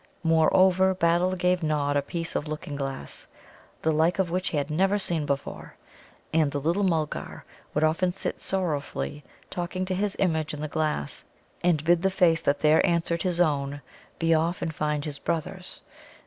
Moreover, Battle gave Nod a piece of looking glass, the like of which he had never seen before. And the little Mulgar would often sit sorrowfully talking to his image in the glass, and bid the face that there answered his own be off and find his brothers.